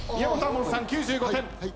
門さん９５点。